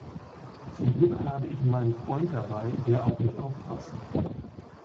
Zum Glück habe ich meinen Freund dabei, der auf mich aufpasst.